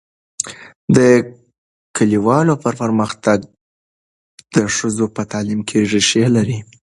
د کلیوالو پرمختګ د ښځو په تعلیم کې ریښې لري.